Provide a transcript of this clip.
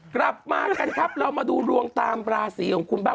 กลับมากันครับเรามาดูดวงตามราศีของคุณบ้าง